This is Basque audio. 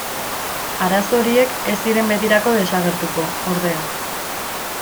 Arazo horiek ez ziren betirako desagertuko, ordea.